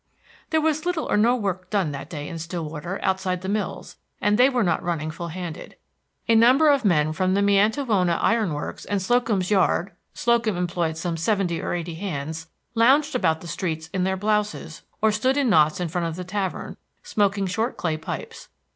There was little or no work done that day in Stillwater outside the mills, and they were not running full handed. A number of men from the Miantowona Iron Works and Slocum's Yard Slocum employed some seventy or eighty hands lounged about the streets in their blouses, or stood in knots in front of the tavern, smoking short clay pipes.